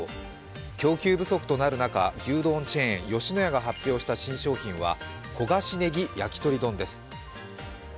供給不足となる中、牛丼チェーン・吉野家が発表した新商品が焦がしねぎ焼き鳥丼です。